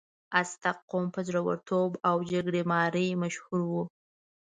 ازتک قوم په زړورتوب او جګړې مارۍ مشهور و.